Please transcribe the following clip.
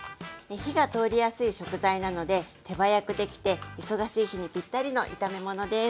火が通りやすい食材なので手早くできて忙しい日にぴったりの炒め物です。